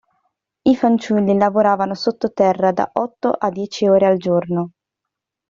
I fanciulli lavoravano sottoterra da otto a dieci ore al giorno.